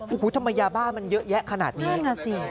โอ้โหทำไมยาบ้ามันเยอะแยะขนาดนี้